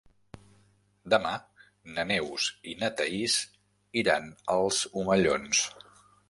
Demà na Neus i na Thaís iran als Omellons.